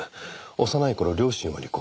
幼い頃両親は離婚。